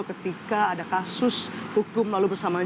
ketika ada kasus hukum lalu bersamaan